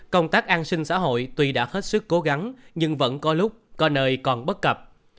công tác an sinh xã hội tuy đã hết sức cố gắng nhưng vẫn có lúc có nơi còn bất cập